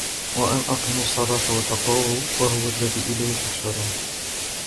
وأن أقيموا الصلاة واتقوه وهو الذي إليه تحشرون